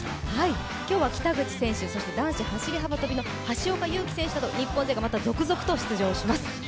今日は北口選手、そして男子走幅跳の橋岡優輝選手など、日本勢がまた続々と出場します。